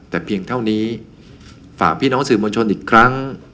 แต่เพียงเท่านี้ฝากพี่น้องสื่อมวลชนอีกครั้ง